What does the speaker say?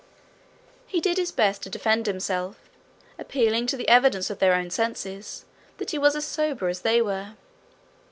He did his best to defend himself, appealing to the evidence of their own senses that he was as sober as they were.